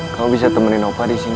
kau bisa temenin opa disini